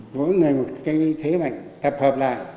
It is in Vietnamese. mỗi người một cái thế mạnh tập hợp lại